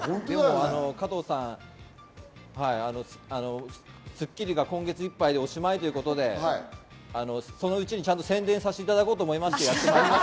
加藤さん、『スッキリ』が今月いっぱいでおしまいということで、そのうちにちゃんと宣伝させていただこうと思いまして。